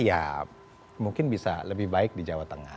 ya mungkin bisa lebih baik di jawa tengah